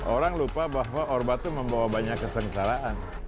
orang lupa bahwa orba itu membawa banyak kesengsaraan